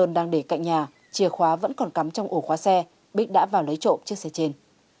đang để cạnh nhà chìa khóa vẫn còn cắm trong ổ khóa xe bích đã vào lấy trộm chiếc xe trên